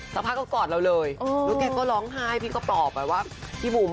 สักพักก็กอดเราเลยแล้วแกก็ร้องไห้พี่ก็ปลอบไปว่าพี่บุ๋ม